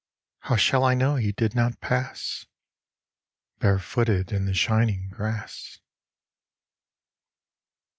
How shall I know he did not pass Barefooted in the shining grass?